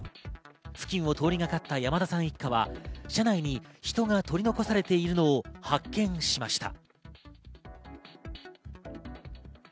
付近を通りがかった山田さん一家は車内に人が取り残されているのを発見しました。